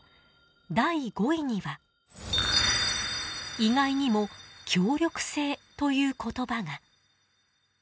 第５位には意外にも協力性という言葉が。